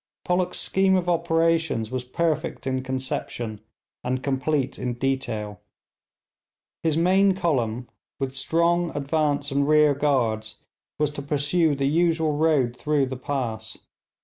Pollock's scheme of operations was perfect in conception and complete in detail. His main column, with strong advance and rear guards, was to pursue the usual road through the pass.